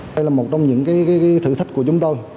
đây là một trong những thử thách của chúng tôi